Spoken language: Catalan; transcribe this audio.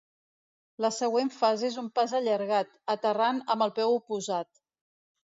La següent fase es un pas allargat, aterrant amb el peu oposat.